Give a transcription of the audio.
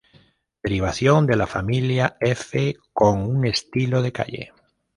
Derivación de la Familia F con un estilo de calle.